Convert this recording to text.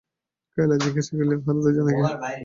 কমলা জিজ্ঞাসা করিল, উহারা দুজনে কে?